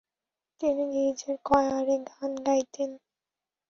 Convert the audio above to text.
তিনি গির্জার কয়ারে গান গাইতেন।